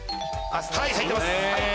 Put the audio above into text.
入ってます。